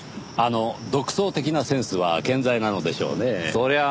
そりゃあ